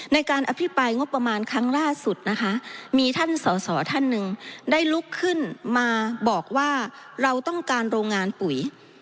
ในการอภิปรายงบประมาณครั้งล่าสุดนะคะมีท่านสอสอท่านหนึ่งได้ลุกขึ้นมาบอกว่าเราต้องการโรงงานปุ๋ย